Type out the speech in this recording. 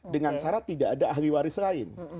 dengan syarat tidak ada ahli waris lain